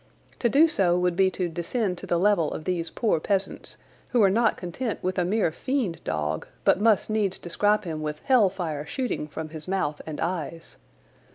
To do so would be to descend to the level of these poor peasants, who are not content with a mere fiend dog but must needs describe him with hell fire shooting from his mouth and eyes.